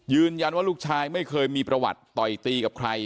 ยืนยันว่าลูกชายไม่เคยมีประวัติต่อยตีกับใคร